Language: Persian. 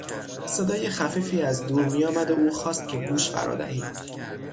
صدای خفیفی از دور میآمد و او خواست که گوش فرا دهیم.